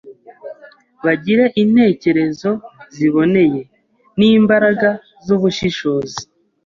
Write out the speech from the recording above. bagire intekerezo ziboneye, n’imbaraga y’ubushishozi,